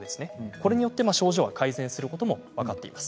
これによって症状は改善することも分かっています。